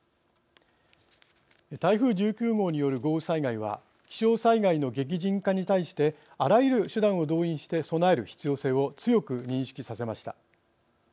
台風１９号による豪雨災害は気象災害の激甚化に対してあらゆる手段を動員して備える必要性を強く認識させました。